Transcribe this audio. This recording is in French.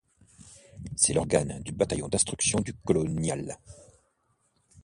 C’est l’organe du bataillon d'instruction du colonial.